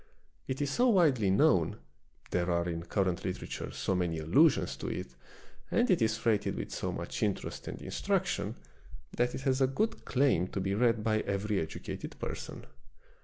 It is so widely known, there are in current literature so many allusions to it, and it is freighted with so much interest and instruc tion, that it has a good claim to be read by every educated person.